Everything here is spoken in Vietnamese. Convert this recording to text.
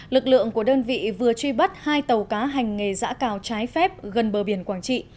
lực lượng của đơn vị vừa truy bắt hai tàu cá hành nghề giã cào trái phép gần bờ biển quảng trị